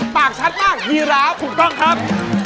ปากชัดมากฮีราถูกต้องครับ